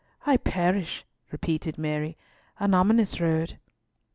I perish," repeated Mary; "an ominous road."